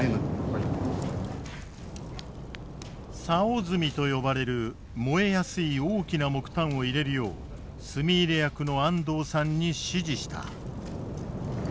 竿炭と呼ばれる燃えやすい大きな木炭を入れるよう炭入れ役の安藤さんに指示した。